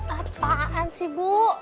apaan sih bu